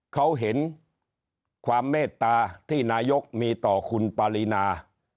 เขาเห็นความเมตตาที่นายกมีต่อคุณปารีนา